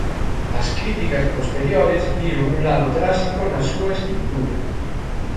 As críticas posteriores viron un lado tráxico na súa escritura.